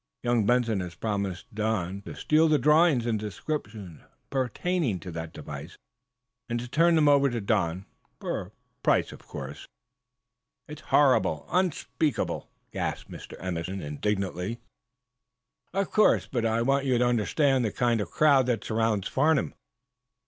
Young Benson has promised Don to steal the drawings and descriptions pertaining to that device, and to turn them over to Don, for a price, of course!" "It's horrible unspeakable!" gasped Mr. Emerson, indignantly. "Of course. But I want you to understand the kind of crowd that surrounds Farnum.